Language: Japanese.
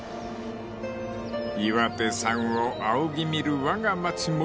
［岩手山を仰ぎ見るわが町盛岡］